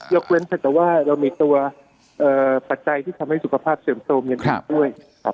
ยกเว้นแต่ว่าเรามีตัวเอ่อผัดใจที่ทำให้สุขภาพเสริมโทมยังไงด้วยครับ